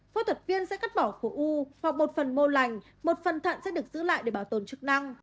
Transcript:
phẫu thuật viên sẽ cắt bỏ khối u hoặc một phần mô lành một phần thận sẽ được giữ lại để bảo tồn chức năng